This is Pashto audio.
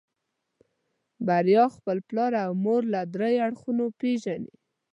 بريا خپل پلار او مور له دريو اړخونو پېژني.